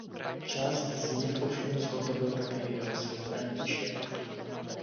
Část z nich ovšem zhotovil také jeho syn František.